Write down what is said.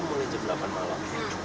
mulai jam delapan malam